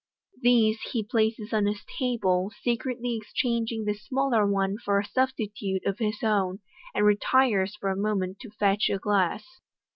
These he places on his table, secretly exchanging the smaller one for a substitute of his own, and retires for a moment to fetch a glass.